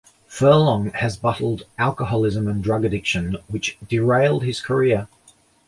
Furlong has battled alcoholism and drug addiction, which derailed his career.